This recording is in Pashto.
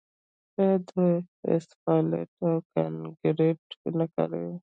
آیا دوی اسفالټ او کانکریټ نه کاروي؟